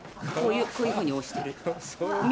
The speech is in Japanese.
こういうふうに押してる。